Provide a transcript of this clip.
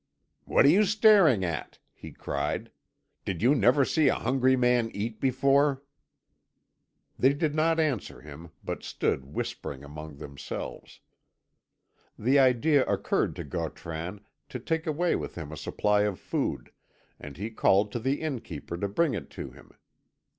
"What are you staring at?" he cried. "Did you never see a hungry man eat before?" They did not answer him, but stood whispering among themselves. The idea occurred to Gautran to take away with him a supply of food, and he called to the innkeeper to bring it to him.